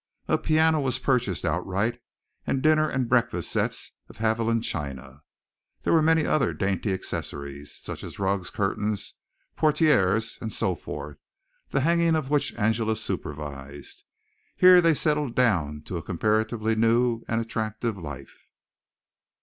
A piano was purchased outright and dinner and breakfast sets of Haviland china. There were many other dainty accessories, such as rugs, curtains, portières, and so forth, the hanging of which Angela supervised. Here they settled down to a comparatively new and attractive life.